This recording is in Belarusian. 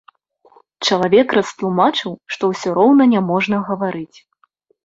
Чалавек растлумачыў, што ўсё роўна няможна гаварыць.